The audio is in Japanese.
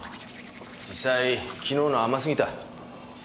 実際昨日のは甘すぎた。